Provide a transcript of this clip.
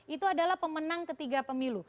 itu adalah pemenang ketiga pemilu